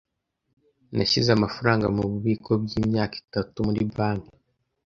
Nashyize amafaranga mububiko bwimyaka itatu muri banki.